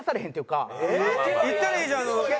行ったらいいじゃん。